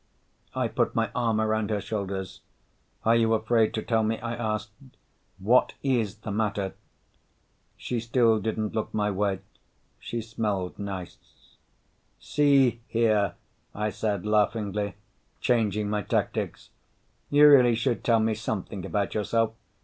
I put my arm around her shoulders. "Are you afraid to tell me?" I asked. "What is the matter?" She still didn't look my way. She smelled nice. "See here," I said laughingly, changing my tactics, "you really should tell me something about yourself.